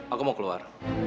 aku mau keluar